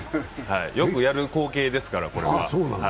よくやる光景ですから、これは。